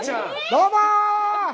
どうも！